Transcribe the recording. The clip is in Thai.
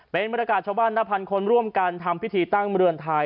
เป็นบรรยากาศชาวบ้านนับพันคนร่วมกันทำพิธีตั้งเรือนไทย